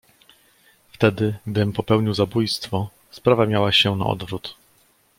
"Wtedy, gdym, popełnił zabójstwo, sprawa miała się na odwrót."